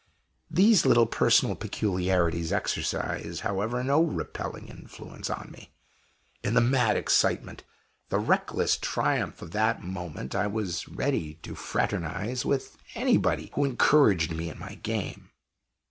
These little personal peculiarities exercised, however, no repelling influence on me. In the mad excitement, the reckless triumph of that moment, I was ready to "fraternize" with anybody who encouraged me in my game.